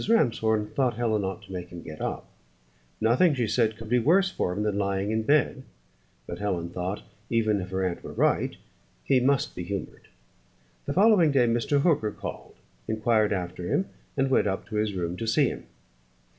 Ramshorn thought Helen ought to make him get up: nothing, she said, could be worse for him than lying in bed; but Helen thought, even if her aunt were right, he must be humoured. The following day Mr. Hooker called, inquired after him, and went up to his room to see him.